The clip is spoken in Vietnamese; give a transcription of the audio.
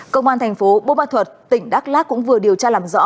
công an thành phố bôn ma thuật tỉnh đắk lát cũng vừa điều tra làm rõ